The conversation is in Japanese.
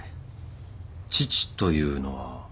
父というのは。